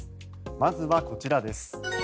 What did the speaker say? まずはこちらです。